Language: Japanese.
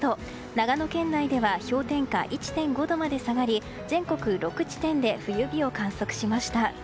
長野県内では氷点下１．５度まで下がり全国６地点で冬日を観測しました。